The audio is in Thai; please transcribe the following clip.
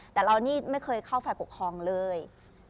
แต่เรานี่ไม่เคยเข้าฝ่ายปกครองเลย